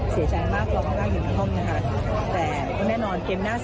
เสียใจมากเราก็เข้าให้อยู่ในห้องนะคะแต่แน่นอนเกมหน้า